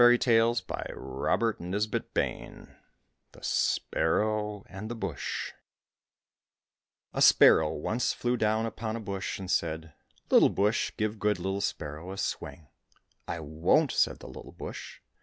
120 THE SPARROW AND THE BUSH THE SPARROW AND THE BUSH A SPARROW once flew down upon a bush and said, " Little bush, give good little sparrow a swing."—" I won't !" said the little bush.